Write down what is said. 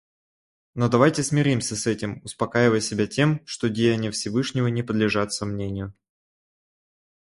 Но давайте смиримся с этим, успокаивая себя тем, что деяния Всевышнего не подлежат сомнению.